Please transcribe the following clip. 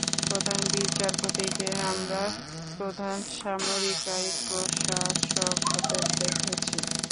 প্রধান বিচারপতিকে আমরা প্রধান সামরিক আইন প্রশাসক হতে দেখেছি।